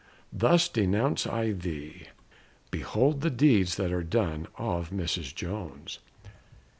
Thus denounce I thee! Behold the deeds that are done of Mrs. Jones!